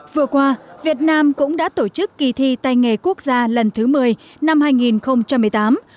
vừa qua việt nam cũng đã tổ chức kỳ thi tay nghề quốc gia lần thứ một mươi năm hai nghìn một mươi tám